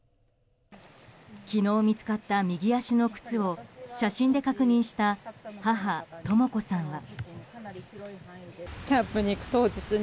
昨日、見つかった右足の靴を写真で確認した母とも子さんは。